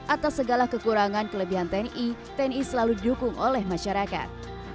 atas segala kekurangan kelebihan tni tni selalu didukung oleh masyarakat